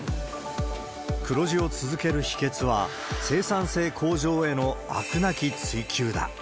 黒字を続ける秘けつは、生産性向上への飽くなき追求だ。